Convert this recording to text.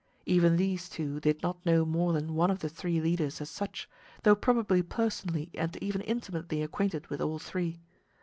Even these two did not know more than one of the three leaders as such, though probably personally and even intimately acquainted with all three.